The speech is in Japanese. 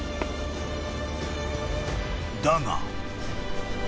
［だが］